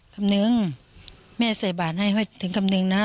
คำนึงแม่ใส่บ่าดให้ก็จะเป็นคำนึงนะฮะ